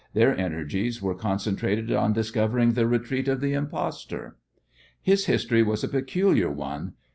Their energies were concentrated on discovering the retreat of the impostor. His history was a peculiar one.